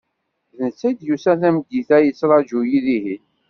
D netta i d-yusan tameddit-a yettraǧu-yi dihin.